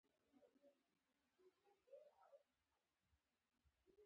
پولنډي متل وایي هنر له قدرت غوره دی.